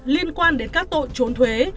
liên quan đến các tội trốn thuế